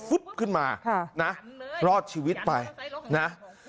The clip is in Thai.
ขึ้นมานะรอดชีวิตไปนะ